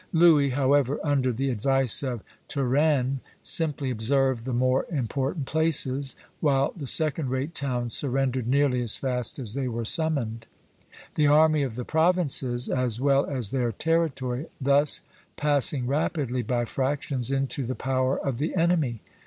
Louis, however, under the advice of Turenne, simply observed the more important places, while the second rate towns surrendered nearly as fast as they were summoned; the army of the Provinces, as well as their territory, thus passing rapidly, by fractions, into the power of the enemy.